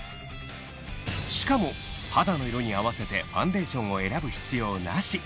しかも肌の色に合わせてファンデーションを選ぶ必要なし